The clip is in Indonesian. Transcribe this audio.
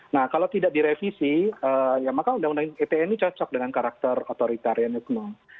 nah kalau tidak direvisi ya maka undang undang ite ini cocok dengan karakter otoritarianisme